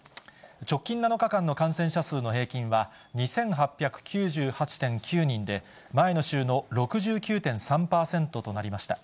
直近７日間の感染者数の平均は、２８９８．９人で、前の週の６９．３％となりました。